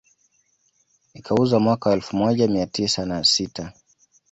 Ikauzwa mwaka wa elfu moja mia tisa na sita